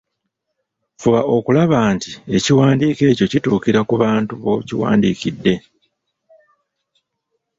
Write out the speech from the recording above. Fuba okulaba nti ekiwandiiko ekyo kituukira ku bantu b'okiwandiikidde.